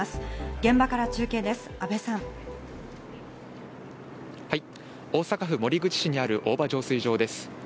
現場からはい、大阪府守口市にある大庭浄水場です。